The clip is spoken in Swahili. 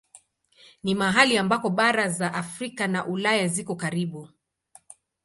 Ni mahali ambako bara za Afrika na Ulaya ziko karibu.